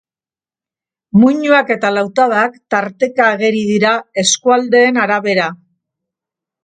Muinoak eta lautadak tarteka ageri dira, eskualdeen arabera.